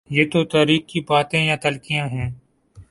یہ تو تاریخ کی باتیں یا تلخیاں ہیں۔